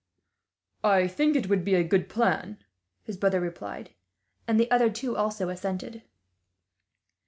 "I think it would be a good plan," his brother replied; and the other two also assented.